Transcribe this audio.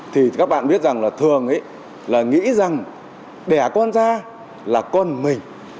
thì các bạn biết rằng là thường ấy là nghĩ rằng đẻ con ra là con mình